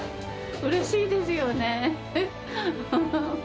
うれしいですよね。